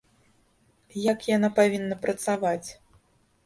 Як яна павінна працаваць?